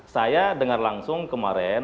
saya dengar langsung kemarin